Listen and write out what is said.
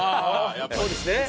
そうですね。